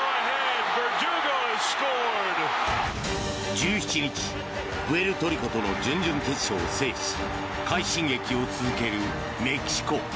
１７日、プエルトリコとの準々決勝を制し快進撃を続けるメキシコ。